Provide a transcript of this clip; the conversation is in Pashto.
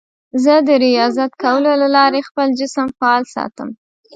زه د ریاضت کولو له لارې خپل جسم فعال ساتم.